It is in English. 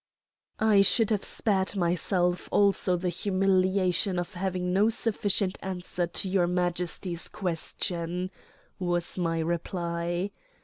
"I should have spared myself also the humiliation of having no sufficient answer to your Majesty's question," was my reply.